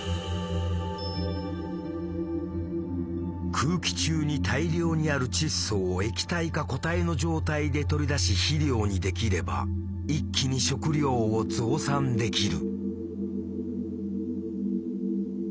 空気中に大量にある窒素を液体か固体の状態で取り出し肥料にできれば一気に食糧を増産できる。